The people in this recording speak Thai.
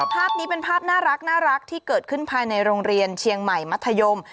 ภาพนี้เป็นภาพน่ารักที่เกิดขึ้นภายในโรงเรียนเชียงใหม่มัธยม